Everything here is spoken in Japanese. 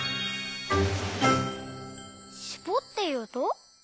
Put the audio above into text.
「しぼっていうと」？